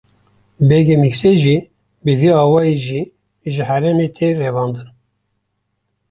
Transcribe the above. Begê Miksê jî bi vî awayî ji herêmê tê revandin.